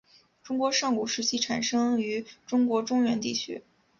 中国上古时期产生于中国中原地区。